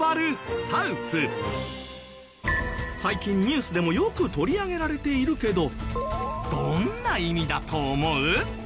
最近ニュースでもよく取り上げられているけどどんな意味だと思う？